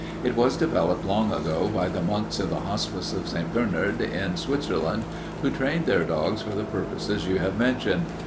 It was developed long ago by the monks of the Hospice of St. Bernard in Switzerland, who trained their dogs for the purposes you have mentioned.